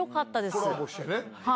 コラボしてね。